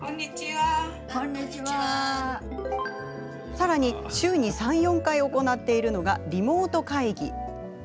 さらに週に３、４回行っているのがリモート会議。